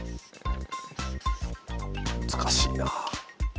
難しいな。